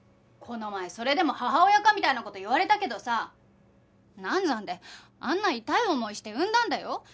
この前それでも母親かみたいな事言われたけどさ難産であんな痛い思いして産んだんだよ。